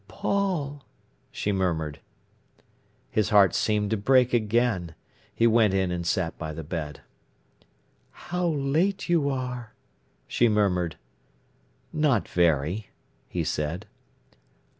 "Paul!" she murmured. His heart seemed to break again. He went in and sat by the bed. "How late you are!" she murmured. "Not very," he said.